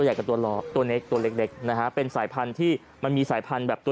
ในโลกเหมือนกันนะครับ